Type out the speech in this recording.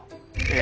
え！